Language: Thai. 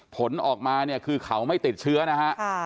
ผลออกมาเนี่ยคือเขาไม่ติดเชื้อนะฮะ